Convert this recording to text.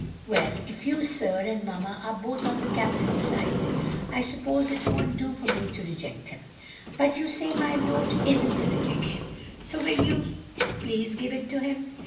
"Well, if you, sir, and mamma are both on the captain's side, I suppose it won't do for me to reject him. But you say my note isn't a rejection, so will you please give it to him?